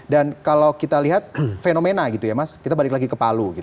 dan kalau kita lihat fenomena gitu ya mas kita balik lagi ke palu gitu